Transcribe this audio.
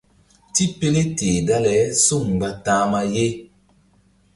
Tipele teh dale suŋ mgba ta̧hma ye.